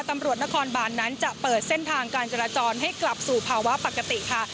ตำรวจนครบานนั้นจะเปิดเส้นทางการจราจรให้กลับสู่ภาวะปกติค่ะ